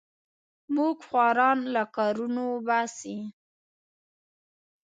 موږ خواران له کارونو وباسې.